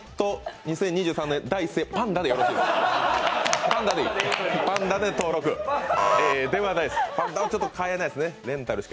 ２０２３年初、パンダでよろしいですか？